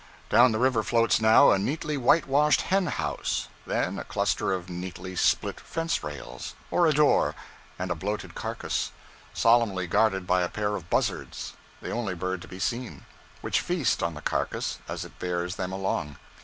Down the river floats now a neatly whitewashed hen house, then a cluster of neatly split fence rails, or a door and a bloated carcass, solemnly guarded by a pair of buzzards, the only bird to be seen, which feast on the carcass as it bears them along.